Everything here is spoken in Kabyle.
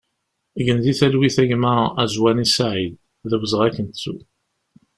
Gen di talwit a gma Azwani Saïd, d awezɣi ad k-nettu!